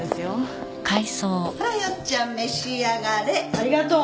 ありがとう